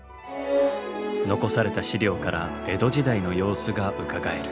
残された資料から江戸時代の様子がうかがえる。